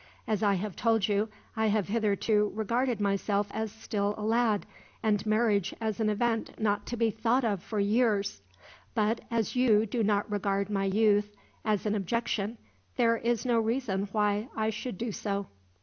As I have told you, I have hitherto regarded myself as still a lad, and marriage as an event not to be thought of for years; but as you do not regard my youth as an objection, there is no reason why I should do so.